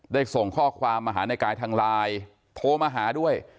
ส่งข้อความมาหาในกายทางไลน์โทรมาหาด้วย